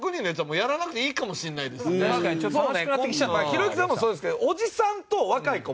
ひろゆきさんもそうですけどおじさんと若い子